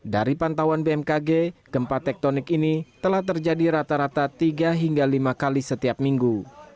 dari pantauan bmkg gempa tektonik ini telah terjadi rata rata tiga hingga lima kali setiap minggu